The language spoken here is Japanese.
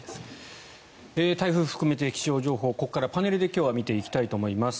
台風を含めて気象情報をここからパネルで今日は見ていきたいと思います。